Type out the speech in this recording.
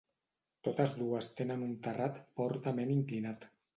Totes dues tenen un terrat fortament inclinat.